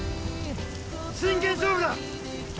真剣勝負だ！